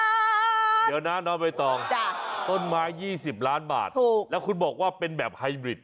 เดี๋ยวนะน้องใบตองต้นไม้๒๐ล้านบาทถูกแล้วคุณบอกว่าเป็นแบบไฮบริด